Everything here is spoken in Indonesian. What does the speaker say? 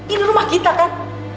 ini rumah kita kan